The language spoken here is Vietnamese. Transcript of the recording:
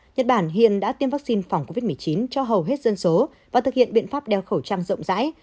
nhật bản hiện đã tiêm vaccine phòng covid một mươi chín cho hầu hết dân số và thực hiện biện pháp đeo khẩu trang rộng rãi